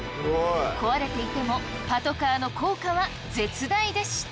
壊れていてもパトカーの効果は絶大でした！